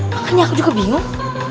makanya aku juga bingung